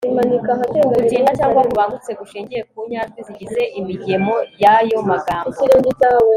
uku gutinda cyangwa kubangutse gushingiye ku nyajwi zigize imigemo y'ayo magambo